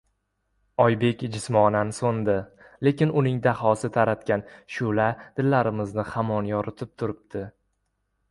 Oybek jismonan so‘ndi, lekin uning dahosi taratgan shu’la dillarimizni hamon yoritib turibdi.